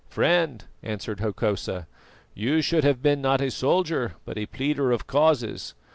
"Friend," answered Hokosa, "you should have been not a soldier but a pleader of causes.